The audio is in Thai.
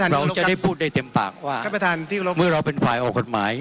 เราจะได้พูดได้เต็มปากว่าเมื่อเราเป็นภายออกกฎหมาย